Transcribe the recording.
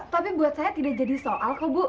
tapi buat saya tidak jadi soal kok bu